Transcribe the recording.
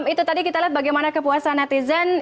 itu tadi kita lihat bagaimana kepuasan netizen